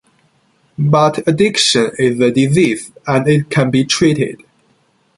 But addiction is a disease and it can be treated.